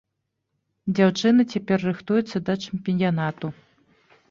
Дзяўчына цяпер рыхтуецца да чэмпіянату.